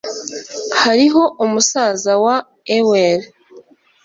hariho umusaza wa ewell